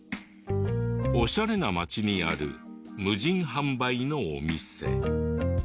オシャレな街にある無人販売のお店。